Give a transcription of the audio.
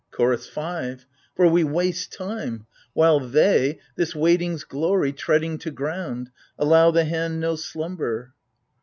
CHOROS 5. For we waste time ; while they, — this waiting's glory Treading to ground, — allow the hand no slumber.